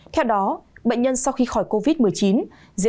số bệnh nhân nặng